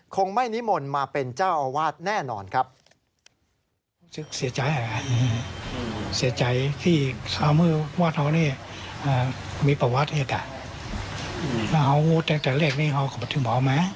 คงไม่นิมนต์มาเป็นเจ้าอาวาสแน่นอนครับ